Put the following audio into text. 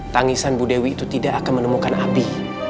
tangisan budewi itu tidak akan menemukan abi